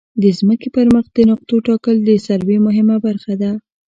د ځمکې پر مخ د نقطو ټاکل د سروې مهمه برخه ده